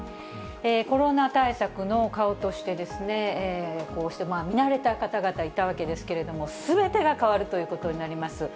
コロナ対策の顔として、こうして見慣れた方々、いたわけですけれども、すべてが代わるということになります。